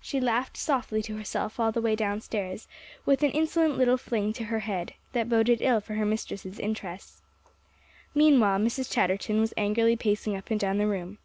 She laughed softly to herself all the way downstairs, with an insolent little fling to her head, that boded ill for her mistress's interests. Meanwhile, Mrs. Chatterton was angrily pacing up and down the room.